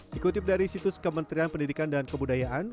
dikutip dari situs kementerian pendidikan dan kebudayaan